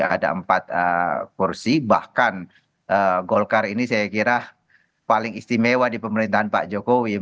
ada empat kursi bahkan golkar ini saya kira paling istimewa di pemerintahan pak jokowi